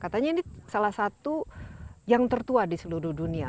katanya ini salah satu yang tertua di seluruh dunia